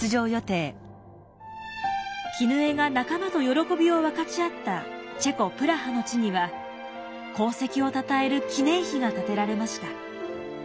絹枝が仲間と喜びを分かち合ったチェコ・プラハの地には功績をたたえる記念碑が建てられました。